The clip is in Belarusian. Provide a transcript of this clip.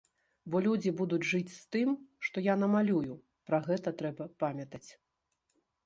Бо людзі будуць жыць з тым, што я намалюю, пра гэта трэба памятаць.